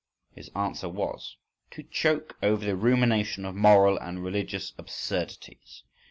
—His answer was: "To choke over the rumination of moral and religious absurdities."